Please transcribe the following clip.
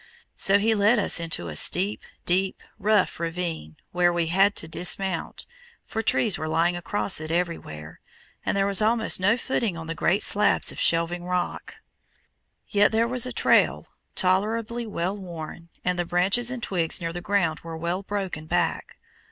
So he led us into a steep, deep, rough ravine, where we had to dismount, for trees were lying across it everywhere, and there was almost no footing on the great slabs of shelving rock. Yet there was a trail, tolerably well worn, and the branches and twigs near the ground were well broken back.